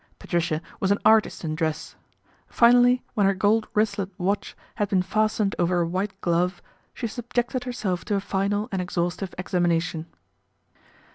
Patricia was an artist in dress. Finally, when her gold wristlet watch had been fastened over a white glove she subjected her self to a final and exhaustive examination.